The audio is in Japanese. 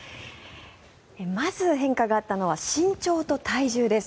まず、変化があったのは身長と体重です。